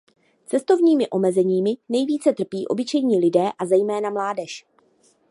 Cestovními omezeními nejvíce trpí obyčejní lidé a zejména mládež.